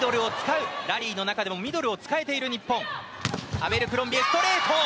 アベルクロンビエ、ストレート！